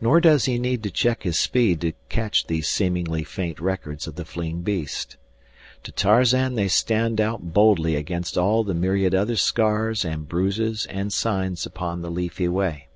Nor does he need to check his speed to catch these seemingly faint records of the fleeing beast. To Tarzan they stand out boldly against all the myriad other scars and bruises and signs upon the leafy way.